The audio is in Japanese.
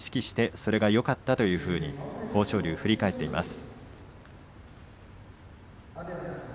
それがよかったというふうに振り返っていました。